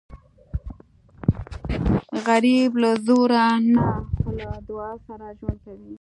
غریب له زوره نه خو له دعا سره ژوند کوي